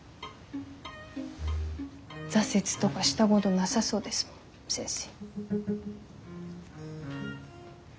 挫折とかしたごどなさそうですもん先生。